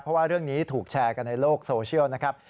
เพราะว่าเรื่องนี้ถูกแชร์กันในโลกโซเชียลนะครับ